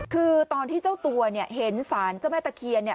คือตอนที่เจ้าตัวเห็นสารเจ้าแม่ตะเคียน